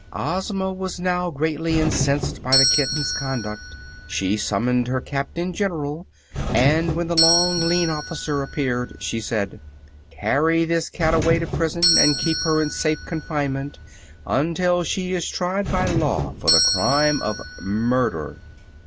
Ozma was now greatly incensed by the kitten's conduct. She summoned her Captain General, and when the long, lean officer appeared she said: "Carry this cat away to prison, and keep her in safe confinement until she is tried by law for the crime of murder."